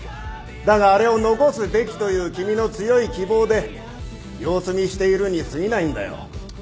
だがあれを残すべきという君の強い希望で様子見しているにすぎないんだよ。